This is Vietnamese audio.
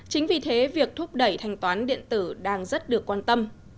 chính vì thế việc thúc đẩy thanh toán điện tử đang rất được quan tâm